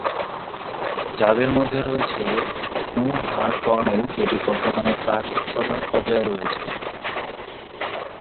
যার মধ্যে রয়েছে, গ্নু হার্ড কার্নেল, যেটি বর্তমানে প্রাক উৎপাদন পর্যায়ে রয়েছে।